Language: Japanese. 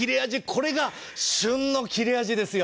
これが旬の切れ味ですよ。